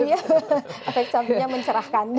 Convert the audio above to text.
ya efek sampingnya mencerahkan